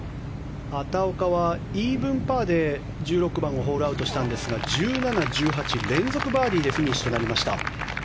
畑岡はイーブンパーで１６番をホールアウトしたんですが１７、１８連続バーディーでフィニッシュとなりました。